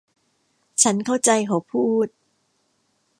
ฉันเข้าใจเขาพูด